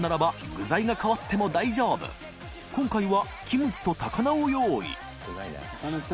禳２鵑キムチと高菜を用意